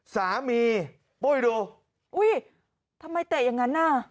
สามีปุ้ยดูอุ้ยทำไมเตะอย่างนั้นน่ะ